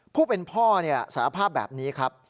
ผู้เป็นพ่อสารภาพแบบนี้ครับ